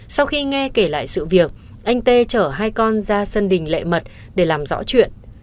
sau khi nghe kể lại sự việc anh tê chở hai con ra sân đình lệ mật để làm rõ chuyện